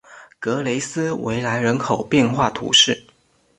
格雷斯维莱人口变化图示